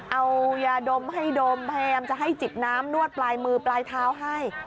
เอายาดมให้ดมพยายามจะให้จิบน้ำนวดปลายมือปลายเท้าให้